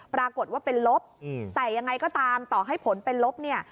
ปรากฏว่าเป็นลบแต่ยังไงก็ตามต่อให้ผลเป็นลบเนี่ย